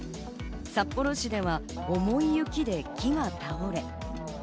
札幌市では重い雪で木が倒れ。